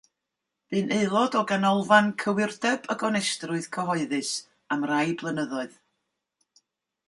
Bu'n aelod o Ganolfan Cywirdeb a Gonestrwydd Cyhoeddus am rai blynyddoedd.